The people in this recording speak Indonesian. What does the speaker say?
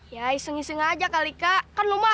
ya iseng iseng aja kali kak kan lu mau berangkat aja kan kak